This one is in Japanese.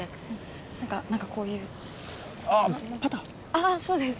あっそうです。